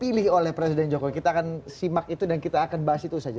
pilih oleh presiden jokowi kita akan simak itu dan kita akan bahas itu saja